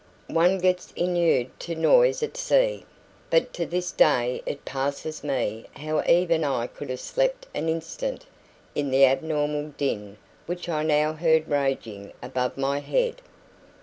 One gets inured to noise at sea, but to this day it passes me how even I could have slept an instant in the abnormal din which I now heard raging above my head.